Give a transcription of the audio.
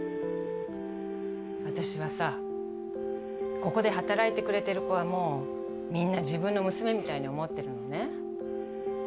私はさここで働いてくれてる子はもうみんな自分の娘みたいに思ってるのね。